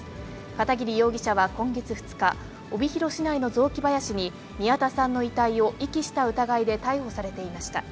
片桐容疑者は今月２日、帯広市内の雑木林に宮田さんの遺体を遺棄した疑いで逮捕されていました。